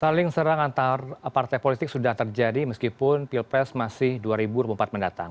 taling serang antar partai politik sudah terjadi meskipun pilpres masih dua ribu empat mendatang